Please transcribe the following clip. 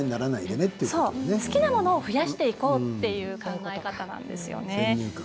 好きなものを増やしていこうということなんです。